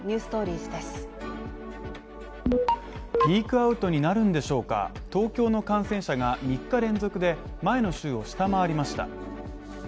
ピークアウトになるんでしょうか東京の感染者が３日連続で前の週を下回りました。